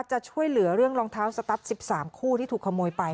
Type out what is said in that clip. จะช่วยเหลือเรื่องรองเท้าสตั๊ด๑๓คู่ที่ถูกขโมยไป